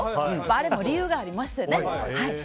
あれも理由がありましてね。